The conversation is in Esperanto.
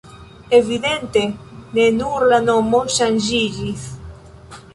Evidente ne nur la nomo ŝanĝiĝis.